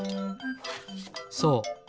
そう。